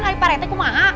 atau pak retek mau